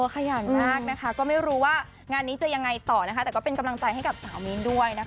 ขยันมากนะคะก็ไม่รู้ว่างานนี้จะยังไงต่อนะคะแต่ก็เป็นกำลังใจให้กับสาวมิ้นด้วยนะคะ